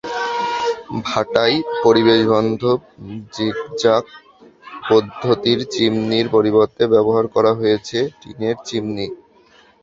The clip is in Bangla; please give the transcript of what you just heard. ভাটায় পরিবেশবান্ধব জিগজাগ পদ্ধতির চিমনির পরিবর্তে ব্যবহার করা হয়েছে টিনের চিমনি।